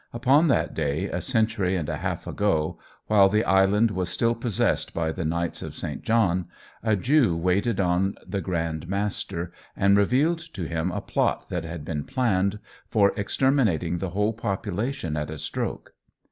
Upon that day, a century and a half ago, while the island was still possessed by the Knights of St. John, a Jew waited on the Grand Master, and revealed to him a plot that had been planned for exterminating the whole population at a stroke.